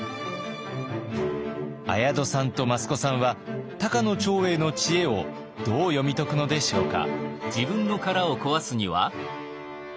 綾戸さんと益子さんは高野長英の知恵をどう読み解くのでしょうか？